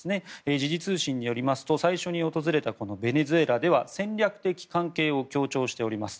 時事通信によりますと最初に訪れた国のベネズエラでは戦略的関係を強調しております。